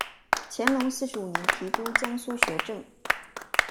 乾隆五十四年提督江苏学政。